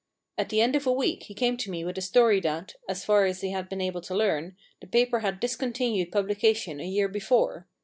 At the end of a week he came to me with a story that, as far as he had been able to learn, the paper had discontinued publication a year before.